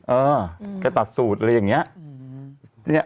เออแกตัดสูตรเลยอย่างเงี้ย